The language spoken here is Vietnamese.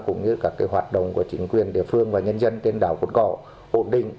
cũng như các hoạt động của chính quyền địa phương và nhân dân trên đảo cồn cỏ ổn định